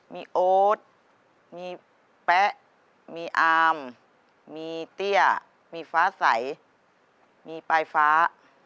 มีโอ๊ตมีแป๊ะมีอามมีเตี้ยมีฟ้าใสมีปลายฟ้า